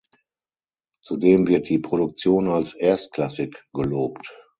Zudem wird die Produktion als „erstklassig“ gelobt.